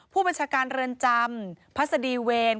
ผู้บัญชาการเรือนจำพัศดีเวร